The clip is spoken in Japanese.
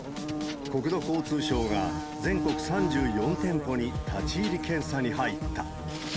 国土交通省が全国３４店舗に立ち入り検査に入った。